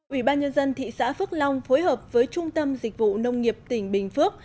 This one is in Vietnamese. ủy ban nhân dân thị xã phước long phối hợp với trung tâm dịch vụ nông nghiệp tỉnh bình phước